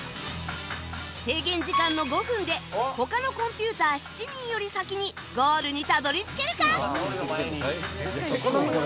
制限時間の５分で他のコンピューター７人より先にゴールにたどり着けるか？なんかおるよ前に。